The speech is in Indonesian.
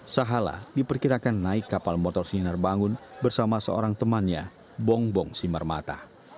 sahala diperkirakan naik kapal motor sinar bangun bersama seorang temannya bongbong simarmata